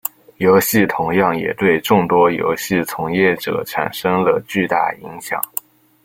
游戏同样也对众多游戏从业者产生了巨大影响。